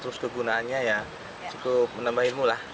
terus kegunaannya ya cukup menambah ilmu lah